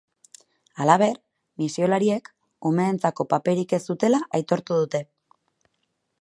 Halaber, misiolariek umeentzako paperik ez zutela aitortu dute.